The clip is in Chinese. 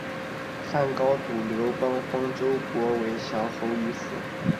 汉高祖刘邦封周勃为绛侯于此。